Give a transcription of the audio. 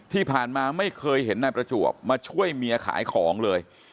ที่ผ่านมาไม่เคยเห็นนายประจวบมาช่วยเมียขายของเลย